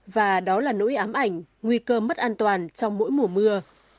và đó là nỗi ám ảnh nguy cơ mất an toàn trong mỗi mùa mưa